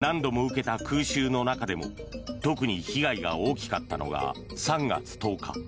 第２次世界大戦中に何度も受けた空襲の中でも特に被害が大きかったのが３月１０日。